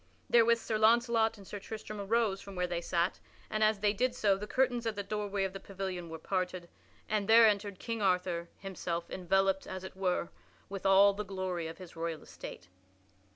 Therewith Sir Launcelot and Sir Tristram arose from where they sat, and as they did so the curtains at the doorway of the pavilion were parted and there entered King Arthur himself enveloped, as it were, with all the glory of his royal estate.